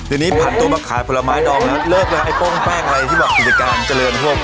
เดี๋ยวนี้ผ่านตัวมาขายผลไม้ดองแล้วเลิกแล้วไอ้ป้องแป้งไว้ที่บอกสุขีศักดิ์การเจริญหวบ